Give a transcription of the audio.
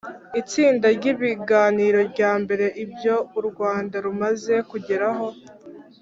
Itsinda ry ibiganiro rya mbere Ibyo u Rwanda rumaze kugeraho